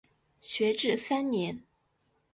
学制三年。